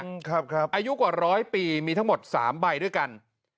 อายุกว่าร้อยปีมีทั้งหมด๓ใบด้วยกัน